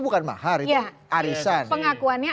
bukan mahar itu arisan pengakuannya